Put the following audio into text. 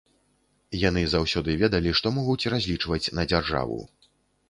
Яны заўсёды ведалі, што могуць разлічваць на дзяржаву.